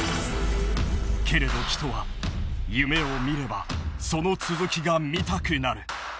けれど人は夢を見ればその続きが見たくなる。